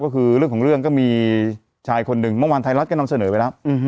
สิ่งท้ายก็คือชายคนหนึ่งเมื่อวานท่ายรัฐก็ทำเสนอไปแล้ว